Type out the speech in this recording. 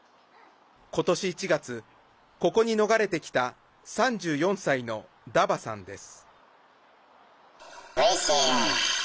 今年１月、ここに逃れてきた３４歳のダバさんです。